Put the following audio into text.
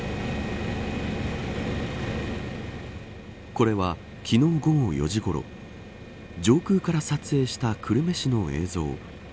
これは昨日、午後４時ごろ上空から撮影した久留米市の映像。